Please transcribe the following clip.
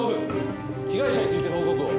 被害者について報告を。